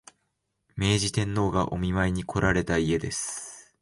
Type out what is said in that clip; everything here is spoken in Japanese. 明治天皇がお見舞いにこられた家です